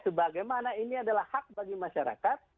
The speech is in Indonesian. sebagaimana ini adalah hak bagi masyarakat